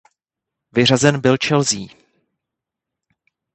Vyřazen byl Chelsea.